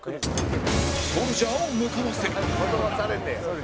ソルジャーを向かわせる